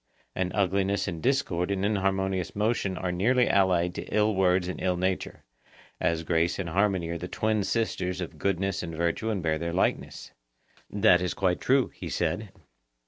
And ugliness and discord and inharmonious motion are nearly allied to ill words and ill nature, as grace and harmony are the twin sisters of goodness and virtue and bear their likeness. That is quite true, he said.